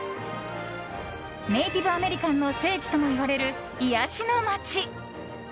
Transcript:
ネイティブアメリカンの聖地ともいわれる癒やしの街。